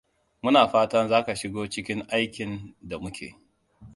Muna fatan za ka shigo cikin aikin da muke.